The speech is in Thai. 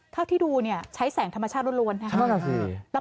ถ้าที่ดูนี่ใช้แสงธรรมชาติรวดนะครับ